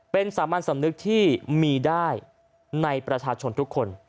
เป็นสามัญสำนึกที่มีได้ในประชาชนทุกคน